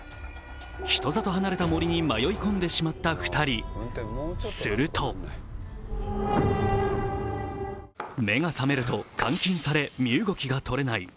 人里離れた森に迷い込んでしまった２人、すると目が覚めると監禁され、身動きがとれない。